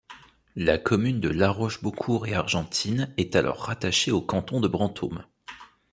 La commune de La Rochebeaucourt-et-Argentine est alors rattachée au canton de Brantôme.